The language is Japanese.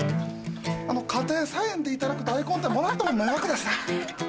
家庭菜園で頂く大根ってもらっても迷惑でさ。